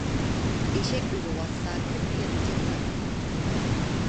ئېشەك ئۆلۈۋاتسا كۆتى غىجەك تارتىپتۇ.